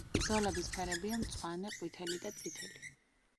ზოლების ფერებია: მწვანე, ყვითელი და წითელი.